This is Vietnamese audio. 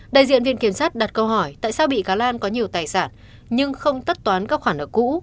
đại diện viện kiểm sát đặt câu hỏi tại sao bị cáo lan có nhiều tài sản nhưng không tất toán các khoản nợ cũ